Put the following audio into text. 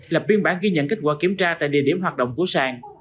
lập biên bản ghi nhận kết quả kiểm tra tại địa điểm hoạt động của sàn